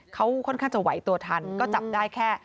เขาค่อนข้างจะไหวตัวทันก็จับได้แค่